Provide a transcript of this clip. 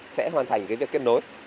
sẽ hoàn thành cái việc kết nối